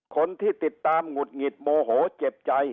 คนที่ติดตามหงุดหงิดโมโหเจ็บใจ